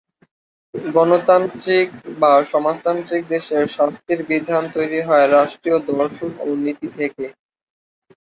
গণতান্ত্রিক বা সমাজতান্ত্রিক দেশের শাস্তির বিধান তৈরি হয় রাষ্ট্রীয় দর্শন ও নীতি থেকে।